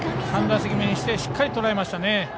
３打席目にしてしっかりとらえましたね。